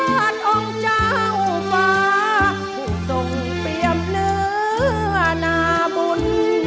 องค์เจ้าฟ้าผู้ทรงเปรียบเนื้อนาบุญ